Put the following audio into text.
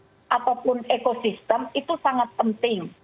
tidak hanya faktor lingkungan apapun ekosistem itu sangat penting